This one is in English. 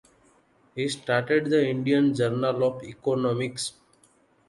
He started the Indian Journal of Economics.